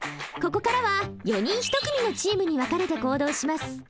ここからは４人１組のチームに分かれて行動します。